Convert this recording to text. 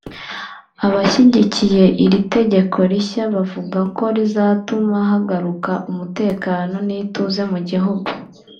Abashyigikjiye iri tegekonshinga rishya bavuga ko rizatuma hagaruka umutekano n'ituze mu gihugu